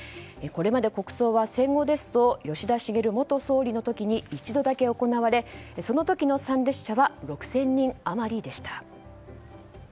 これまで国葬は戦後ですと吉田茂元総理の時に一度だけ行われその時の参列者は６０００人余りでした。